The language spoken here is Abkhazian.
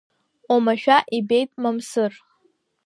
Омашәа ибеит Мамсыр.